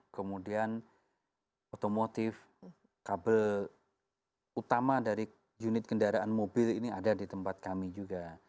kemudian otomotif kabel utama dari unit kendaraan mobil ini ada di tempat kami juga